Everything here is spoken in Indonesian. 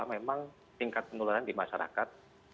memang tingkat penularan di masyarakat